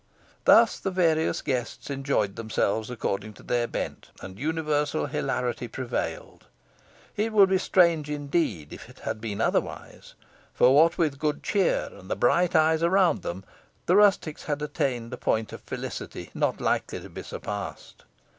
Thus the various guests enjoyed themselves according to their bent, and universal hilarity prevailed. It would be strange indeed if it had been otherwise; for what with the good cheer, and the bright eyes around them, the rustics had attained a point of felicity not likely to be surpassed.